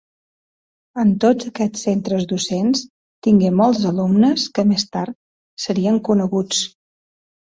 En tots aquests centres docents tingué molts alumnes que més tard serien coneguts.